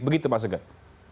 begitu pak soekong